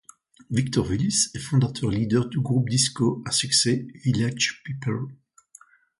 Victor Willis est le fondateur-leader du groupe disco à succès Village People.